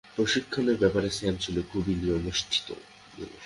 প্রশিক্ষণের ব্যাপারে স্যাম ছিল খুবই নিয়মনিষ্ঠ।